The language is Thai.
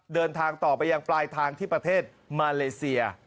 เดินทางต่อไปยังปลายทางที่ประเทศมาเลเซีย